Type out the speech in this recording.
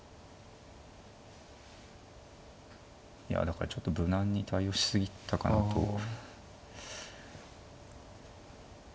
いや何かちょっと無難に対応し過ぎたかなと。